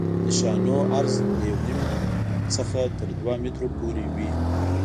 د شانو عرض له یو نیم څخه تر دوه مترو پورې وي